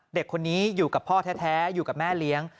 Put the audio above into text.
เด็กคนนี้อยู่กับพ่อแท้อยู่กับแม่เลี้ยง